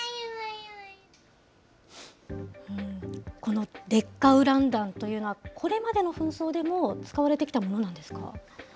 この劣化ウラン弾というのは、これまでの紛争でも使われてきたものなんですか。